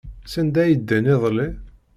Sanda ay ddan iḍelli?